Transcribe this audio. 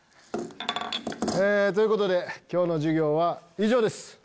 えということで今日の授業は以上です。